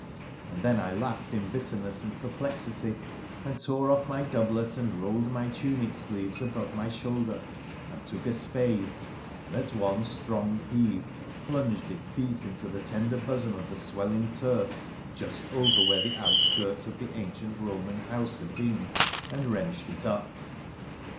And then I laughed in bitterness and perplexity, and tore off my doublet and rolled my tunic sleeves above my shoulder, and took a spade, and at one strong heave plunged it deep into the tender bosom of the swelling turf just over where the out skirts of the ancient Roman house had been, and wrenched it up.